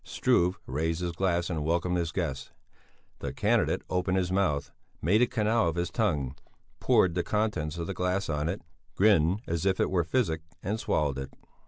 Struve raised his glass and welcomed his guests. The candidate opened his mouth, made a canal of his tongue, poured the contents of the glass on it, grinned as if it were physic and swallowed it.